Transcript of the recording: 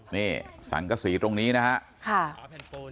นี่สังกสีตรงนี้นะฮะค่ะ